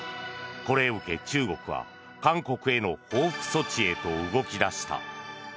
これを受け、中国は韓国への報復措置へと動き出した。